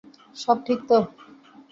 সব ঠিক তো?